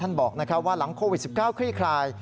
บอกว่าหลังโควิด๑๙คลี่คลาย